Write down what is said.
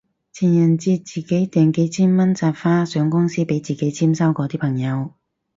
情人節自己訂幾千蚊紮花上公司俾自己簽收嗰啲朋友